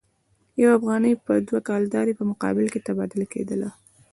یو افغانۍ به د دوه کلدارو په مقابل کې تبادله کېدله.